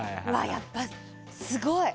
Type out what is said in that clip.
やっぱりすごい。